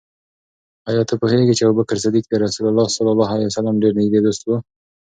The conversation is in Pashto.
آیا ته پوهېږې چې ابوبکر صدیق د رسول الله ص ډېر نږدې دوست و؟